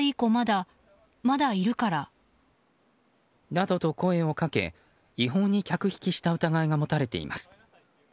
などと声をかけ、違法に客引きした疑いが持たれています。